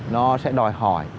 nó sẽ đòi hỏi